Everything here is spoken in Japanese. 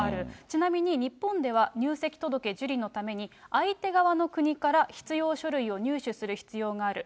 ちなみに日本では入籍届受理のために相手側の国から必要書類を入手する必要がある。